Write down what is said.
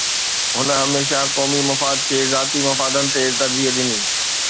هن هميشه قومي مفاد کي ذاتي مفادن تي ترجيح ڏني.